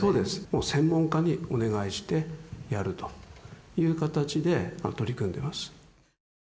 もう専門家にお願いしてやるという形で取り組んでます。